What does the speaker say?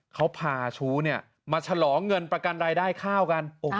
เขาพาชู้เนี่ยมาฉลองเงินปกรรณรายได้ข้าวกัน